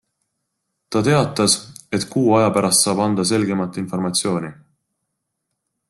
Ta teatas, et kuu aja pärast saab anda selgemat informatsiooni.